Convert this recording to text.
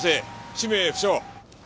氏名不詳。